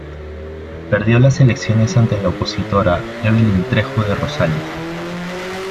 Perdió las elecciones ante la opositora, Evelyn Trejo de Rosales.